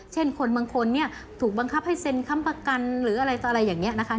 เช่นคนบางคนเนี่ยถูกบังคับให้เซ็นค้ำประกันหรืออะไรอย่างนี้นะคะ